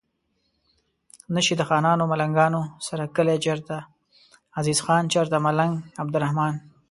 نه شي د خانانو ملنګانو سره کلي چرته عزیز خان چرته ملنګ عبدالرحمان